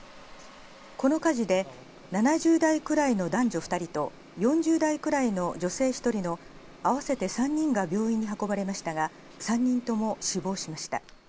この火事で７０代くらいの男女２人と４０代くらいの女性１人のあわせて３人が病院に運ばれましたが３人とも死亡しました。